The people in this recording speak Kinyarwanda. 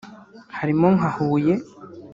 harimo nka Huye